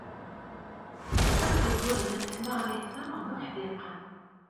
Akk igerdan n tneɣrit-a d uḥdiqen.